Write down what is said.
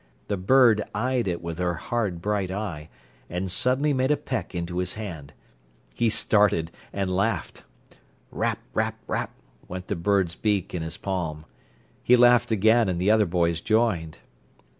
The bird eyed it with her hard, bright eye, and suddenly made a peck into his hand. He started, and laughed. "Rap, rap, rap!" went the bird's beak in his palm. He laughed again, and the other boys joined.